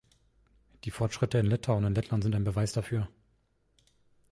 Die Fortschritte in Litauen und Lettland sind ein Beweis dafür.